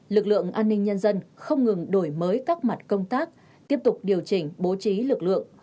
lực lượng an ninh nhân dân không ngừng đổi mới các mặt công tác tiếp tục điều chỉnh bố trí lực lượng